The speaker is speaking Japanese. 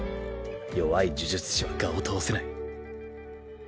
弱い呪術師は我を通せない。